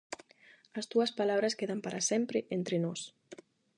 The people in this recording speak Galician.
As túas palabras quedan para sempre entre nós.